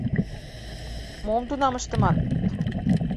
Мом тунам ыштыман?